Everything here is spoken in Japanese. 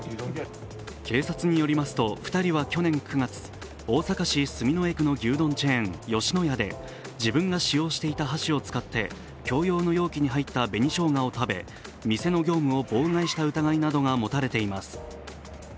警察によりますと、２人は去年９月、大阪市住之江区の牛丼チェーン、吉野家で自分が使用していた箸を使って共用の容器に入った紅しょうがを食べ店の業務を妨害した疑いが持たれています。